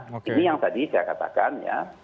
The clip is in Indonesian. ini yang tadi saya katakan ya